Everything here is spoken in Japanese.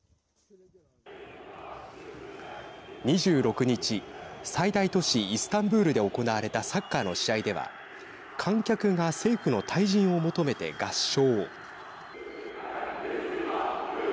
２６日、最大都市イスタンブールで行われたサッカーの試合では観客が政府の退陣を求めて合唱。